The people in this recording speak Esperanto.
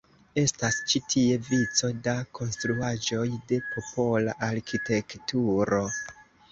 Estas ĉi tie vico da konstruaĵoj de popola arkitekturo.